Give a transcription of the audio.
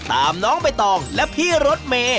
ตามน้องไปต่อและพี่รถเมย์